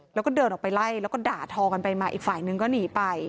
แล้วก็เดินออกไปไล่แล้วก็ด่าทอกันไปมาอีกฝ่ายนึงก็หนีไป